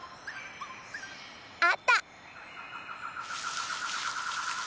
あった！